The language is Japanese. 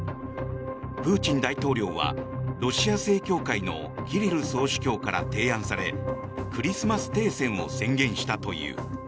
プーチン大統領はロシア正教会のキリル総主教から提案されクリスマス停戦を宣言したという。